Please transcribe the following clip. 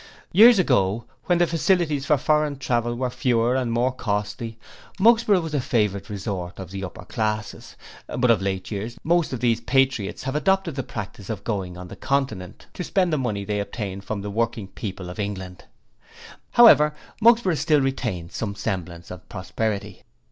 Years ago, when the facilities for foreign travel were fewer and more costly, Mugsborough was a favourite resort of the upper classes, but of late years most of these patriots have adopted the practice of going on the Continent to spend the money they obtain from the working people of England. However, Mugsborough still retained some semblance of prosperity.